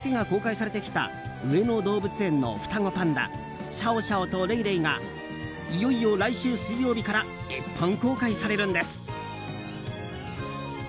これまで映像だけが公開されてきた上野動物園の双子パンダシャオシャオとレイレイがいよいよ来週水曜日から一般公開されるんです。